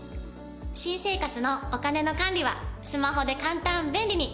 新生活のお金の管理はスマホで簡単便利に。